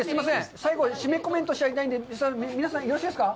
最後、締めコメントしたいんで、よろしいですか？